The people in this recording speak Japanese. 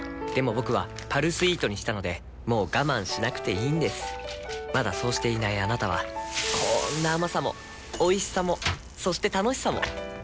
僕は「パルスイート」にしたのでもう我慢しなくていいんですまだそうしていないあなたはこんな甘さもおいしさもそして楽しさもあちっ。